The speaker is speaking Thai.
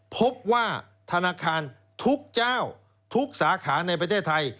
พบว่าธนาคารทุกเจ้าทุกสาขาในประเทศไทย